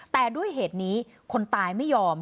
แต่ด้วยเหตุนี้คนตายไม่ยอม